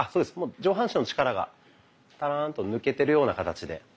上半身の力がたらんと抜けてるような形で。